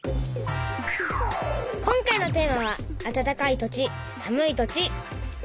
今回のテーマは「あたたかい土地さむい土地」。